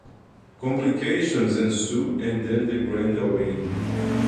Complications ensue and then the grand awakening.